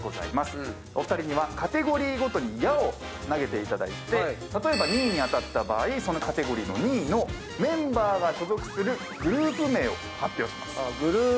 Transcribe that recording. お二人にはカテゴリーごとに矢を投げていただいて例えば２位に当たった場合そのカテゴリーの２位のメンバーが所属するグループ名を発表します。